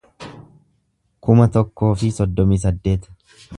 kuma tokkoo fi soddomii saddeet